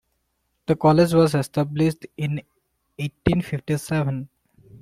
The college was established in eighteen fifty seven.